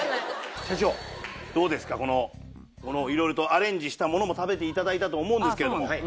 社長どうですかこのいろいろとアレンジしたものも食べていただいたと思うんですけれども。